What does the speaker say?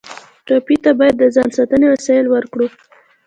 ټپي ته باید د ځان ساتنې وسایل ورکړو.